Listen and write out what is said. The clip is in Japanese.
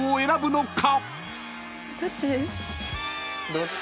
どっち？